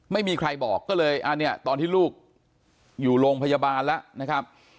ไม่มีใครบอกก็เลยอันนี้ตอนที่ลูกอยู่โรงพยาบาลแล้วนะครับ